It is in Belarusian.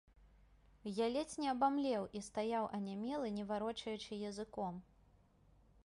Я ледзь не абамлеў і стаяў анямелы, не варочаючы языком.